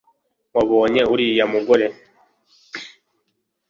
wabonye uriya mugore